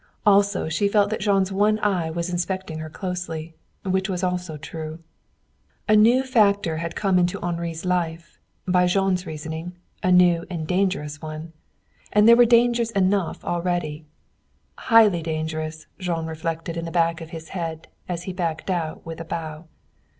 Also she felt that Jean's one eye was inspecting her closely, which was also true. A new factor had come into Henri's life by Jean's reasoning, a new and dangerous one. And there were dangers enough already. Highly dangerous, Jean reflected in the back of his head as he backed out with a bow.